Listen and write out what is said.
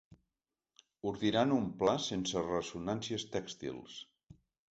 Ordiran un pla sense ressonàncies tèxtils.